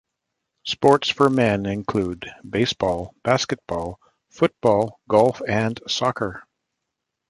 Sports for men include baseball, basketball, football, golf and soccer.